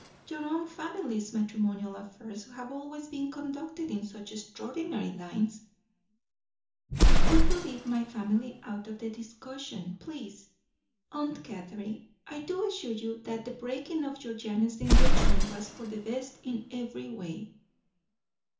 Your own family's matrimonial affairs have always been conducted in such extraordinary lines " "We will leave my family out of the discussion, please, Aunt Catherine. I do assure you that the breaking of Georgiana's engagement was for the best in every way."